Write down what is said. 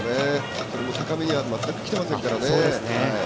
それも高めには全くきてませんからね。